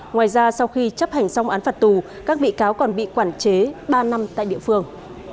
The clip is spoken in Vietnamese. ngoài ra sau khi chấp hành xong án phạt tù các bị cáo còn bị quản chế ba năm tại địa phương